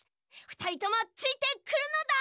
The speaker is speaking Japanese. ふたりともついてくるのだ！